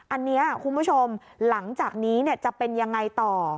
อันนี้คุณผู้ชมหลังจากนี้จะเป็นยังไงต่อ